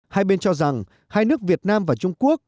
hai bên cho rằng hai nước việt nam và trung quốc